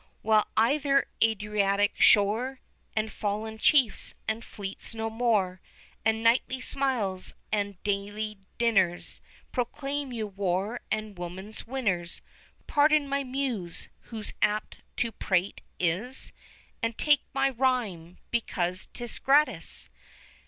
While either Adriatic shore, And fallen chiefs, and fleets no more, And nightly smiles, and daily dinners, Proclaim you war and woman's winners. 30 Pardon my muse, who apt to prate is, And take my rhyme because 'tis 'gratis'.